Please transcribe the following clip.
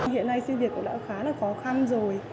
hiện nay sinh việc cũng đã khá là khó khăn rồi